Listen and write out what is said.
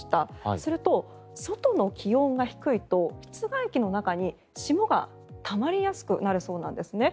すると、外の気温が低いと室外機の中に霜がたまりやすくなるそうなんです。